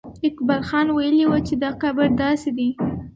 اقبال خان ویلي وو چې دا قبر داسې دی.